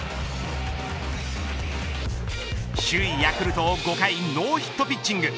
首位ヤクルトを５回ノーヒットピッチング。